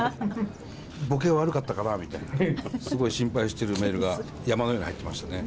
ぼけ悪かったかなみたいな、すごい心配してるメールが、山のように入ってましたね。